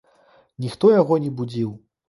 Ніхто яго не будзіў.